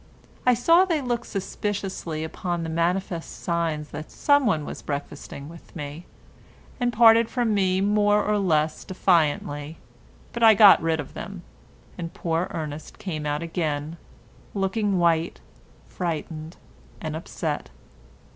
I saw they looked suspiciously upon the manifest signs that someone was breakfasting with me, and parted from me more or less defiantly, but I got rid of them, and poor Ernest came out again, looking white, frightened and upset.